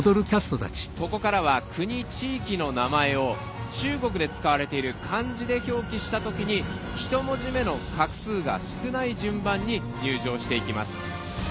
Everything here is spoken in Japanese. ここからは国、地域の名前を中国で使われている漢字で表記したときに１文字目の画数が少ない順番に入場していきます。